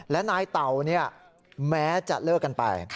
และนายเต่าแม้จะเลิกกันไป